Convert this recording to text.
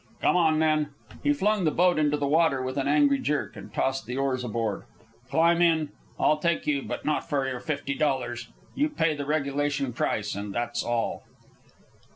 "Come on, then!" He flung the boat into the water with an angry jerk, and tossed the oars aboard. "Climb in! I'll take you, but not for your fifty dollars. You pay the regulation price, and that's all."